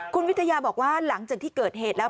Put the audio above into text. คุณวิทยาบอกว่าหลังจากที่เกิดเหตุแล้ว